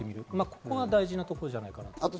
ここが大事なところじゃないかなと。